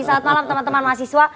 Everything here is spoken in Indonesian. selamat malam teman teman mahasiswa